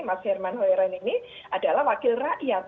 mas herman hoiran ini adalah wakil rakyat